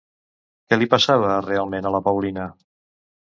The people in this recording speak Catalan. Què li passava, realment, a la Paulina?